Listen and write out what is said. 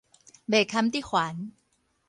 袂堪得煩